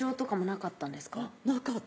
なかったんです